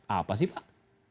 apa sih pak